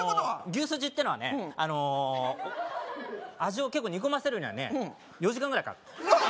牛すじってのはねあの味を結構煮込ませるにはね４時間ぐらいかかるわっ！